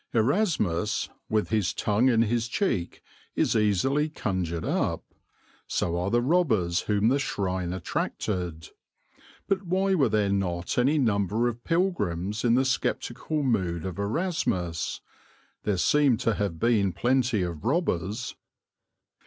Erasmus, with his tongue in his cheek, is easily conjured up; so are the robbers whom the shrine attracted. But why were there not any number of pilgrims in the sceptical mood of Erasmus? There seem to have been plenty of robbers.